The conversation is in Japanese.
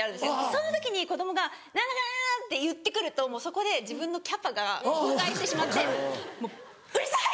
その時に子供が何とかかんとかって言ってくるともうそこで自分のキャパが崩壊してしまってもう「うるさい！」